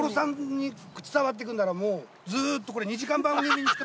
もうずっとこれ。